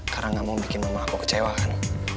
karena gak mau bikin mama aku kecewa kan